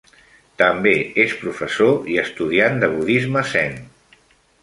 També és professor i estudiant de budisme zen.